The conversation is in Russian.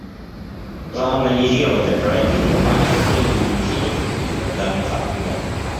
Проанализировать оперативную память с целью извлечения чувствительных данных оттуда